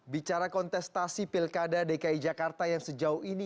bicara kontestasi pilkada dki jakarta yang sejauh ini